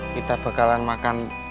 kita bakalan makan